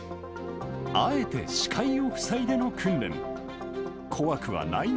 あえて視界を塞いでの訓練。